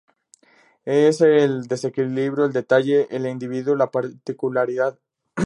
Es el desequilibrio, el detalle, el individuo, la particularidad.